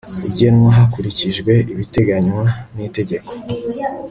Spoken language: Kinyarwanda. ugenwa hakurikijwe ibiteganywa n itegeko